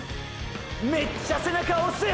めっちゃ背中押す！！